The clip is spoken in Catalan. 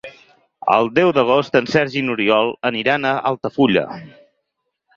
El deu d'agost en Sergi i n'Oriol aniran a Altafulla.